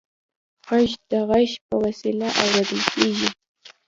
غږ د غوږ په وسیله اورېدل کېږي.